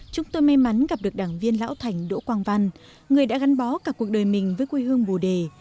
chúng tôi may mắn gặp được đảng viên lão thành đỗ quang văn người đã gắn bó cả cuộc đời mình với quê hương bồ đề